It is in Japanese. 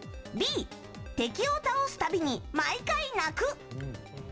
Ｂ、敵を倒すたびに毎回泣く。